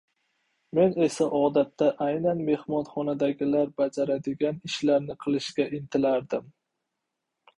men esa odatda aynan mehmonxonadagilar bajaradigan ishlarni qilishga intilardim: